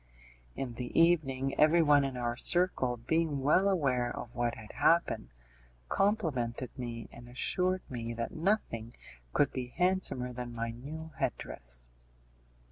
In the evening everyone in our circle, being well aware of what had happened, complimented me, and assured me that nothing could be handsomer than my new head dress.